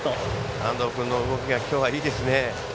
安藤君の動きがきょう、いいですね。